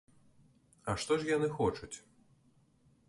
А што ж яны хочуць?